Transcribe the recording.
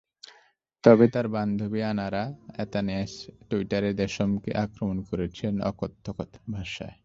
তবে তাঁর বান্ধবী আনারা অ্যাতানেস টুইটারে দেশমকে আক্রমণ করেছেন অকথ্য ভাষায়।